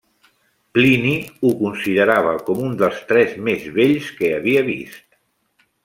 Plini ho considerava com un dels tres més bells que havia vist.